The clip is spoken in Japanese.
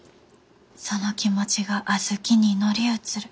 「その気持ちが小豆に乗り移る。